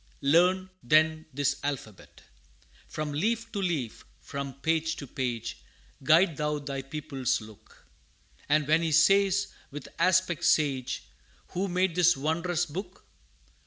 Learn, then, this alphabet. From leaf to leaf, from page to page, Guide thou thy pupil's look, And when he says, with aspect sage, "Who made this wondrous book?"